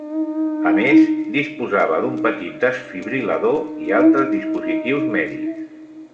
A més, disposava d'un petit desfibril·lador i altres dispositius mèdics.